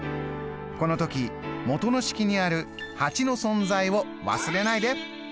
この時元の式にある８の存在を忘れないで。